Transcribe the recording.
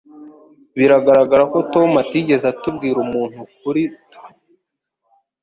Biragaragara ko Tom atigeze atubwira umuntu kuri twe.